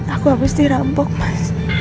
aku habis dirampok mas